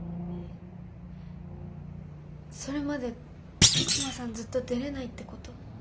それまでクマさんずっと出れないってこと？